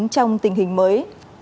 trong tình hình mới